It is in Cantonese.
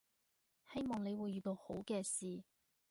希望你會遇到好嘅事